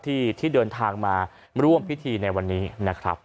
ที่เดินทางมาร่วมพิธีในวันนี้นะครับ